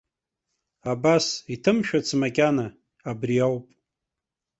Абас, иҭымшәац макьана, абри ауп.